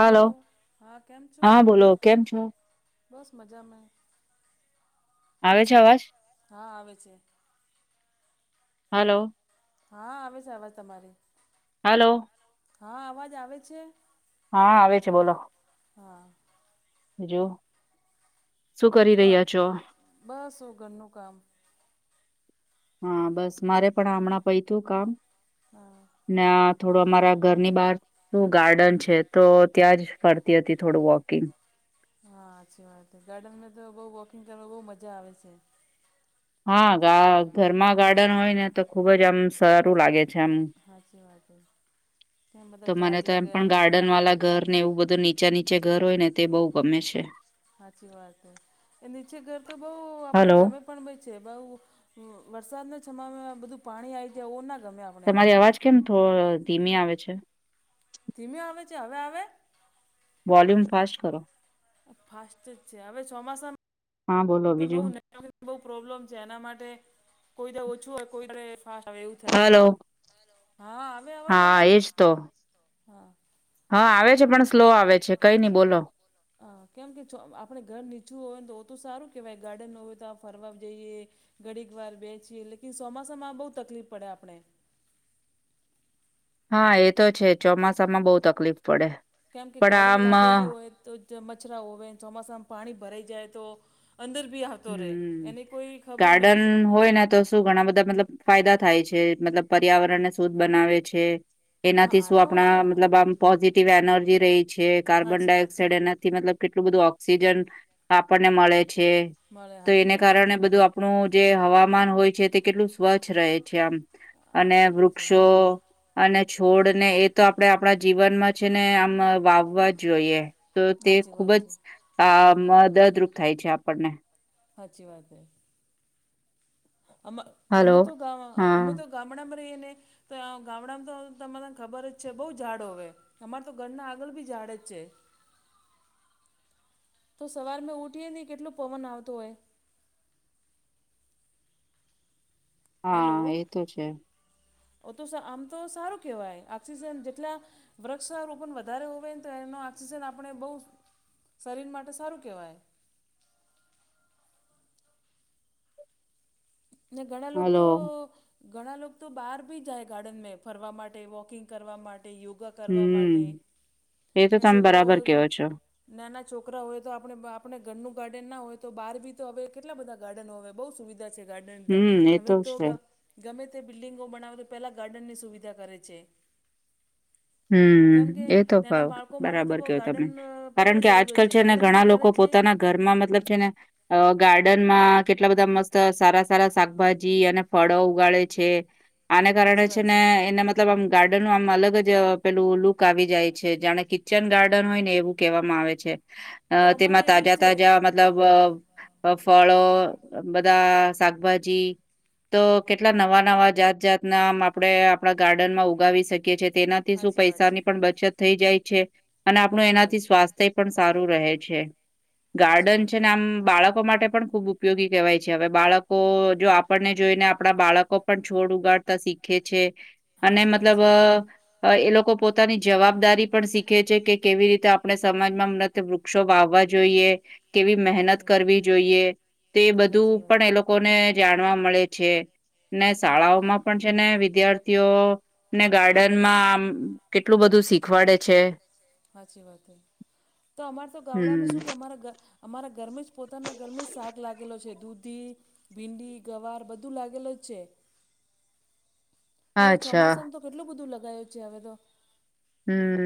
Hello hello હા કેમ છો હા બોલો કેમ છો? બસ મજા મા. આવે છે અવાજ હા આવેે છે. હલો. હા આવે છે આવાજ તમારી હલો. હા અવાજ આવે છે. હા આવે છે બોલો. હા. જો શું કરી જો રહ્યા છો? બસ હું ઘરનું કામ હા બસ મારે પણ હમણાં પૈતું કામ હા. ના થોડું અમારા ઘરની બહાર શું ગાર્ડન છે તો ત્યાં જ ફરતી હતી થોડું વોકિંગ હા હાછી વાત હૈ ગાર્ડનમાં તો બઉ વોકિંગ કરવા બહુ મજા આવે છે. હા ગા ઘરમાં ગાર્ડન હોય ને તો ખુબ જ આમ સારું લાગે. છેમ સાચી વાત કેમ તો બધા મને ઝાડ તો એમ લગેલ પણ ગાર્ડન લાગેલ વાળા ઘર ને એવું બધું નીચા નીચે ઘર હોય ને તે બહુ ગમે છે. હાચી વાત એ નીચે ઘર તો બઉ આપણે હલો ગમે પણ બે છે બહુ વ વરસાદના સમયમાં બધું પાણી આવી જાય ઓ ના ગમે. આપણે તમારી અવાજ કેમ થો ધીમી આવે છે. ધીમે આવે છે હવે આવે. વોલ્યુમ ફાસ્ટ કરો. ફાસ્ટ જ છે હવે હા બોલો ચોમાસામાં બહુ બીજું બહુ પ્રોબ્લેમ છે એના માટે કોઈ ઓછું હોય કોઈ ફાસ્ટ આવે એવું થાય. હલો હા આવે અવાજ અમે હા એજ તો હા હા આવે છે, પણ સ્લો આવે છે કઈ નઈ બોલો. હા કેમ કે ચો આપણે ઘર નીચું હોય ને તો તો સારું કેહેવાય ગાર્ડન ન હોય તો ફરવા જઈએ. ઘડીક વાર બેચીએ લેકિન ચોમાસામાં બહુ તકલીફ પડે આપણે. હા એ તો છે ચોમાસામાં બહુ તકલીફ પડે. કેમ કે પણ ગાર્ડન આમ અ, લાગેલી હોય તો. મચ્છરા હોવે ચોમાસામાં પાણી ભરાઈ જાય તો અંદર ભી તોરે હમ એની કોઈ ખબર ગાર્ડન નહી. હોય ને તો શું ઘણા બધા મતલબ ફાયદા થાય છે. મતલબ પર્યાવરણ ને શુદ્ધ બનાવે છે. હા એનાથી આ શું તો આપણા હાચી હા મતલબ આમ પોઝિટિવ એનર્જી રહી છે કાર્બન હાચી વાત છે ડાયોક્સાાઈડ એના થી મતલબ કેટલું બધું ઓક્સિજન આપણને મળે છે. મળે તો હાચી એને વાત છે કારણે બધું આપણું જે હવામાન હોય છે તે કેટલું સ્વચ્છ રહે છે આમ. અને હાચી વાત છે વૃક્ષો અને છોડ ને એ તો આપડે આપણા જીવનમાં છે ને આમ વાવવા જ જોઈએ. તો તે હાચી ખુબ વાત જ છે આ મદદરૂપ થાય છે આપણને હાચી વાત હે. અ અમે હલો તો ગા અમે હા તો ગામડામાં રહીએને તો ગામડામાં તો તમ બઘા ને ખબર જ છે બહુ ઝાડો હોવે. તમાર તો ઘરના આગળ બી ઝાડ જ છે. [inaudible] તો સવાર મેં ઊઠીએ નહીં કેટલો પવન આવતો હોય. હા એ તો છે. ઓમ તો શ આમ તો સારું કેહેવાય ઓક્સિજન જેટલા વૃક્ષારોપણ વધારે હોવે તો એનો ઓક્સિજન આપણે બહુ શરીર માટે સારું કહેવાય. ને ઘણા લોક તો. હલો ઘણા લોક તો બહાર ભી જાય ગાર્ડન મે ફરવા માટે વોકિંગ કરવા માટે યોગા કરવા માટે હમ એ તો ને તમે છોકરાઓ બરાબર કેવો છો નાના છોકરા હોય તો આપણે આપણે ઘરનું ગાર્ડન ના હોય તો બહાર બી તો હવે કેટલા બધા ગાર્ડન હવે બઉુ સુવિધા છે ગાડૅન તો હમ એ હવે તો છે ગા. ગમે તે બિલ્ડિંગો બનાવે તો પહેલા ગાર્ડનની સુવિધા કરે છે. કેમ હમ કે એ તો. અ નાના બાળકો માટે તો બરાબર બહુ કેવો તમે ગાર્ડન કારણ પહેલા કે જરૂર આજકાલ છે ને ગાર્ડન બી ઘણા કરે લોકો છે પોતાના ઘરમાં મતલબ છે ને. અ ગાર્ડનમાં કેટલા બધા મસ્ત સારા સારા શાકભાજી અને ફળો ઉગાળે છે. આને કારણે સાચી છે વાત ને એને મતલબ આમ ગાર્ડનનું આમ અલગ જ પેલું લુક આવી જાય છે જાણે કિચન ગાર્ડન હોય ને એવું કહેવામાં આવે છે. અ તો અમારે તેમાં એવું જ તાજા છે તાજા મતલબ ફળો બધા શાકભાજી તો કેટલા નવા નવા જાત જાત નામ આપડણે આપણા ગાર્ડનમાં ઉગાવી શકીએ છીએ તેના થી શું સાચી વાત છે. પૈસાની પણ બચત થઈ જાય છે અને આપણું હાચી વાત. એનાથી સ્વાસ્થ તે પણ સારું રહે છે હાચી ગાર્ડન વાત છે હે. ને આમ બાળકો માટે પણ ખુબ ઉપયોગી કહેવાય છે હવે બાળકો જો આપણને જોઈને આપણા બાળકો પણ છોડ ઉગાડતા શીખે છે. અને હાચી વાત મતલબ છે. એ લોકો પોતાની જવાબદારી પણ શીખે છે કે કેવી રીતે આપણે સમાજમાં મત વૃક્ષો વાવવા કેવી મહેનત હાચી કરવી જોઈએ તે હાચી બધું વાત. પણ એ લોકો ને જાણવા મળે છે ને હાચી વાત. શાળાઓમાં પણ છે ને વિદ્યાર્થીઓ ને ગાર્ડનમાં આમ કેટલું બધું શીખવાડે છે. સાચી વાત હો તો અમારે તો ગાવડામાં હમ્મ. શું કે અમારા અમારા ઘરમે જ પોતાના ઘરમે જ શાક લાગેલો છે દૂધી ભીંડી ગવાર બધું લાગેલ જ છે. હવે અચ્છા ચોમાસામાં તો કેટલું બધું લગાયું છે હવે તો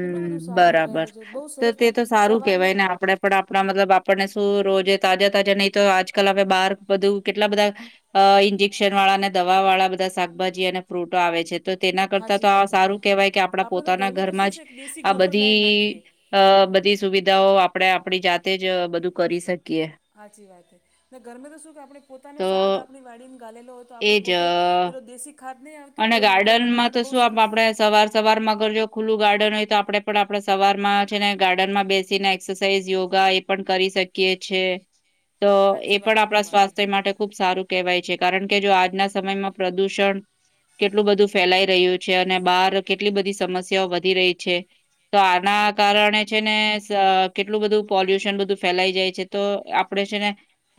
કેટલું બધું શાક લગાયેલો બરાબર છે બહુ તો સરસ તે તો સારું સવાર મે કેહેવાય ને આપડે પણ આપણા મતલબ આપણને શું રોજે તાજા તાજા નહી તો આજકાલ હ બાર બધું કેટલા બધા અ ઇન્જેક્શન વાળા અને દવા વાળા બધા શાકભાજી અને ફ્રૂટો આવે છે. તો તેના કરતા તો સાચી વાત આ છે સારું કેહેવાય કે આપડા આપણે તો પોતાના ઘરમે તો શું ઘરમાં જ છે દેશી આ ગોબર લાઈન બધી નાખીએ અ બધી સુવિધાઓ આપણેે આપણી જાતે જ બધું કરી શકીએ. હાચી વાત હે ગરમે તો શું કે આપણે પોતાનું તો શાક આપણી વાડીમાં ગાલેલો હોય તો આપણે એજ પોતે પેલો દેશી ખાદ નહીં આવે તો અને ઓ નાખી લો એના ગાર્ડનમાં તો માટે બહુ શું આપ સરસ આપણે સવાર સવાર માં અગર જો ખુલ્ું ગાર્ડન હોય તો આપડે પણ આપડા સવારમાં છે ને ગાર્ડન માં બેસીને એક્સરસાઇઝ યોગા એ પણ કરી શકીએ છે. તો એ સાચી વાત પણ છે આપણા તમારી સ્વાસ્થ્ય માટે ખુબ સારું કહેવાય છે કારણ કે જો આજના સમયમાં પ્રદુષણ કેટલું બધું ફેલાઈ રહ્યું છે અને બહાર કેટલી બધી સમસ્યાઓ વધી રહી છે. તો સાચી આના વાત કારણે છે ને કેટલું બધું પોલ્યુશન બધું ફેલાઈ જાય છે તો આપણે છે ને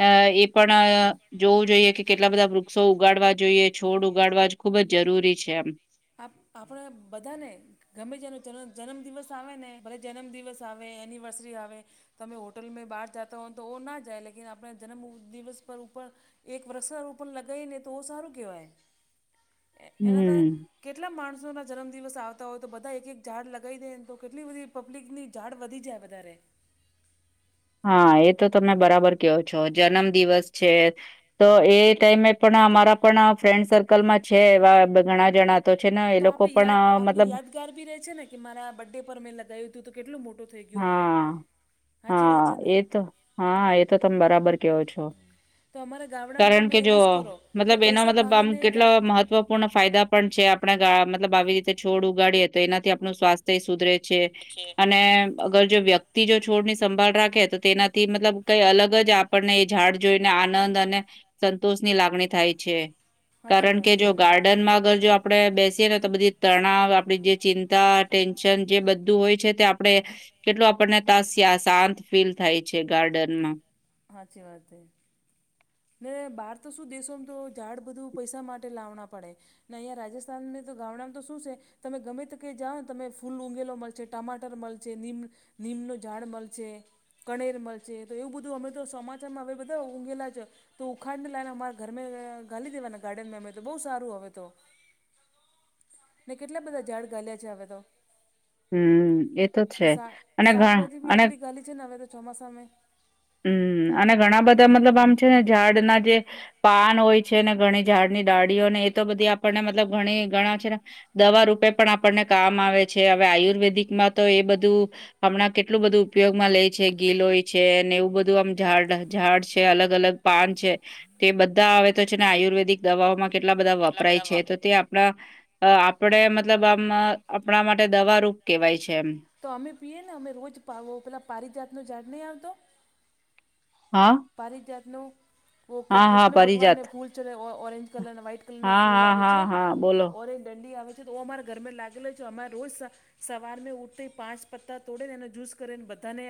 અ એ પણ જોવું જોઈએ કે કેટલા બધા વૃક્ષો ઉગાડવા જોઈએ છોડ ઉગાડવા જ ખુબ જ જરૂરી છે એમ આપ આપણા બધાને ગમે તેનો જન્મ દિવસ આવે ને ભલે જન્મ દિવસ આવે એનિવર્સરી આવે તમે હોટલ મે બહાર જાતા હો તો ના જાય પણ આપણા જન્મ દિવસ પર ઉપર એક વર્સારું પણ લગાવી ને તો સારું કહેવાય. [inaudible] એ એના તો હમ્મ, કેટલા માણસોના જન્મદિવસ આવતા હોય તો બધા એક એક ઝાડ લગી દે ને તો કેટલી બધી પબ્લિકની ઝાડ વધી જાય વધારે હા એ તો તમે બરાબર કહો છો જન્મ દિવસ છે તો એ ટાઈમે પણ અમારા પણ ફ્રેન્ડ સર્કલમાં છે એવા ઘણા જણા તો છે ને એ લોકો પણ મતલબ ત્યા રબી છે કે મારા આ બર્થડે પરમેં લગાવું હતું તો કેટલું મોટું થઈ ગયું હવે હા સાચી વાત હા છે ને એ તો હા એ તો તમે બરાબર કહોછો. તો અમારા ગામડામાં કારણ તો અમે કે જો એવું જ કરો કે મતલબ એનો પૈસા મતલબ આમ ભાંગીને કેટલો જા મહત્વ પૂર્ણ ફાયદા પણ છે આપણે મતલબ આવી રીતે છોડ ઉગાડીએ તો એનાથી આપણું સ્વાસ્થ્ય સુધરે છે. છે અને અગર જો વ્યક્તિ જો છોડની સંભાળ રાખે તો તેનાથી મતલબ કઈ અલગ જ આપણને એ ઝાડ જોઈને આનંદ અને સંતોષ ની લાગણી થાય છે, સાચી કારણ વાત કે છે જો ગાર્ડન. ડનમાં અગર જો આપણે બેસીએ ને તો બધી તણાવ આપણી જે ચિંતા ટેન્શન જે બધું હોય છે તે આપણે આપણે કેટલું આપણને તા શાંત ફીલ થાય છે ગાર્ડનમાં. હાચી વાત છે. ને બહાર તો શું દેશો, એમ તો ઝાડ બધું પૈસા માટે લાવના પડે. ના, અહીંયા રાજસ્થાનમાં તો ગામડામાં તો શું છે? તમે ગમે તા કે જાઓને, તમે ફૂલ ઊઘેલો મળશે, ટમાટર મળશે. નીમનો ઝાડ મળશે. કણેર મળશે, તો એવું બધું અમે તો સમાચારમાં હવે બધા ઊઘેલા છે. તો ઉખાડને લાવને, અમારા ઘર ગાલી દેવાના ગાર્ડનમાં, અમે તો બહુ સારું હવે તો. ને કેટલા બધા ઝાડ ગાલ્યા છે, હવે તો. હમ એ તો છે અને ઘ શાકભાજી ભી અને એટલી ગાલી છે ને, હવે તો ચોમાસામાં. હમ અને ઘણા બધા મતલબ આમ છે ને, ઝાડના જે પાન હોય છે ને, ઘણી ઝાડની ડાળીઓ ને, એ તો બધી આપણને મતલબ ઘણી ઘણા છે ને. દવા રૂપે પણ આપણને કામ આવે છે, હવે આયુર્વેદિકમાં તો એ બધું. હમણાં કેટલું બધું ઉપયોગમાં લે છે, ગીલોય છે, અને એવું બધું આમ ઝાડ ઝાડ છે, અલગ અલગ પાન છે, તે બધા આવે તો છે ને, આયુર્વેદિક દવાઓમાં કેટલા બધા વપરાય છે, તો તે આપણા આપણે મતલબ આમ આપણા માટે માટે દવા રૂપ કેહેવાય છે એમ. તો અમે પીએ ને, અમે રોજ પેલા પારજાતનો ઝાડ નહીં આવતો? હા. પારિજાતનો. હા હા કૃષ્ણ ભગવાનને પરિજાત ફૂલ છે, ઓરેન્જ કલર વ્હાઈટ કલર નો હા ફૂલ હા આવે હા છે. હા બોલો ઓ દંડી આવે છે, તો અમારા ઘરમાં લાગે છે, અમારે રોજ સવાર મે ઊઠ પાંચ પત્તા તોડે ને, એનો જૂસ કરેને બધાને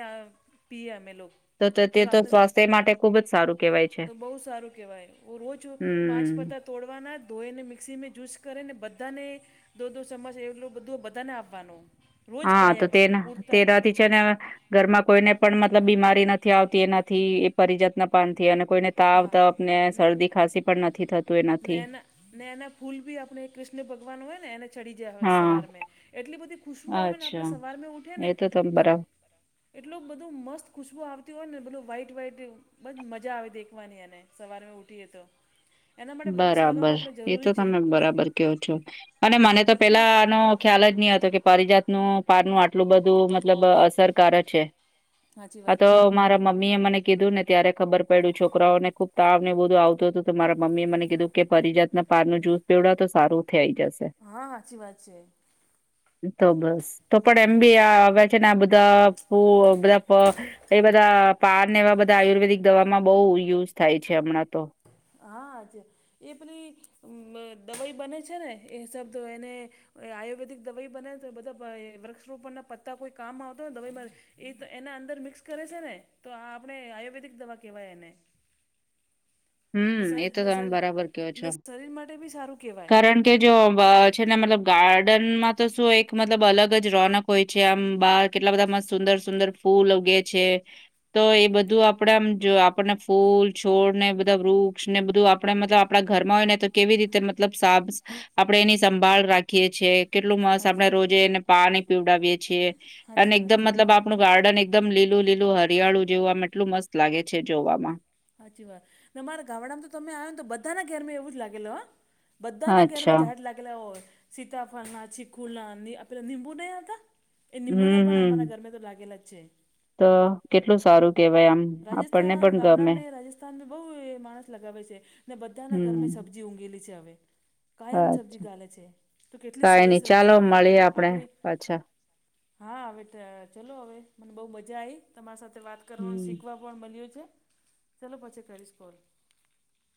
પીવે અમે લોકો. તો તે તો સ્વાસ્થ્ય માટે ખુબ જ સારું કેહેવાય છે તો બહ સારું કેવાય, રોજ પાંચ હમ પતા. તોડવાના ધોઈ ને, મિક્સીમાં જયુસ કરે ને, બધાને દો દો ચમચ, એટલો બધો બધાને આવવાનો રોજ હા તો કાયમ, તેના ઉત્તમ. તેનાથી ઘરમાં કોઈને પણ મતલબ બીમારી નથી આવતી એનાથી, એ પરિજતના પાનથી અને કોઈને. તાવ હા, તપને શરદી ખાંસી પણ નથી થતું એનાથી નૈના નૈના ફૂલ ભી આપણે. કૃષ્ણ ભગવાન હોય ને, એને ચડી જાય હા સવાર મે એટલી બધી પૂછવું આવે ને, આપણે અચ્છા સવાર મે ઉઠે ને એ તમે તો. બરાબર એટલું બધું મસ્ત ખુશ્બુ આવતી હોય ને, બધું વ્હાઈટ વહઇટ બધ મજા આવે ત. વની ને, સવારેમાં ઉઠીએ તો. એના માટે વૃક્ષ લગાવવું બરાબર, આપણે એ તો જરૂરી છે તમે બરાબર કહો છો, અને મને તો પેલા વૃક્ષના આનો ખ્યાલ જ નહીં હતો કે, પરિજાતનું પાર નું આટલું બધું મતલબ અસરકારક છે. સાચી હા, વાત તો છે મારા. મમ્મી એ મને કીધું ને ત્યારે ખબર પડ્યું, છોકરાઓને ખુબ તાવ ને બધું આવતું હતું મારા. મમ્મી એ મને કીધું કે, પરીજાત ના પાર નું જુસ પીવડાવો તો સારું થઈ જશે. હા, સાચી વાત છે. [unintelligible] તો બસ તો પણ એમ બી આવે છે ને, આ બધા બધા એ બધા પાાર ને, એવા બધા આયુર્વેદિક દવામાં બહુ યુઝ થાય છે હમણાં તો. હાજ એ પેલી દવાઈ બને છે ને, એ શબદ એને. આયુર્વેદિક દવાઈ બને તો, બધા વર્કશોપ ના પત્તા કોઈ કામ આવતોને દવા. એ એના અંદર મિક્સ કરે છે ને, તો આ આપણે આયુર્વેદિક દવા કેહેવાય એને. ને હમ, એ શરીર તો ને તમે શરીર બરાબર કહો છો, ને શરીર માટે બી સારું કહેવાય કારણ કે જો છે ને, મતલબ ગાર્ડનમાં તો શું? એક મતલબ અલગ જ રોનક. હોય છે, આમ બાર કેટલા બધામાં સુંદર સુંદર ફૂલ ઉગે છે. તો એ બધું આપડે આમ જો આપણને ફૂલ છોડ ને બ વૃક્ષ ને બધું આપણે મતલબ આપણા ઘરમાં હોય ને તો કેવી રીતે મતલબ સાફ આપણે એની સંભાળ રાખીએ છીએ. કેટલું મસ્ત હાચી આપણેે રોજે એને પાણી પીવડાવીએ છીએ હાચી અને વાત એકદમ છે મતલબ આપણું ગાર્ડન એકદમ લીલું લીલું હરિયાળું જેવું આમ એટલું મસ્ત લાગે છે જોવામાં સાચી વાત ને મારા ગામડામાં તો તમે આવયો ને તો બધાના ઘેરમાં એવું જ લાગેલો હા બધા ના ઘેરમાં અચ્છા ઝાડ લાગેલા હોય સીતાફળ ના, ચીકુ ના, આપેલા લિંબુ નયા હતા. એ લિંબુના હમ પણ હમ અમારા ઘરમે તો લાગેલા જ છે. તો કેટલું સારું કેવાય આમ આપણને પણ ગમે મે રાજસ્થાનમાં બહુ માણસ લગાવે છે ને બધાના હમ. ઘરમાં સબ્જી ઉગેલી છે હવે કાયમ સબ્જી અચ્છા ગાલે છે તો કેટલી કાઈ સરસ નઈ ચાલો સબ્જી હોવે મળીએ આપડે આપણી પાછા હા હવે ચલો હવે મને બહુ મજા આવી તમારી સાથે વાત કરવા હમ. શીખવા. [unintelligible] ચાલો પછી કરીશ કોલ.